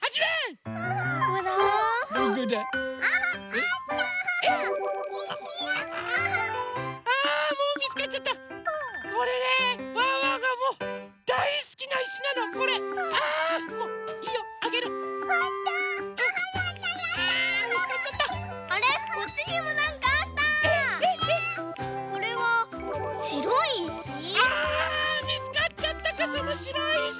あみつかっちゃったかそのしろいいし。